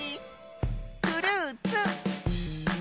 フルーツ。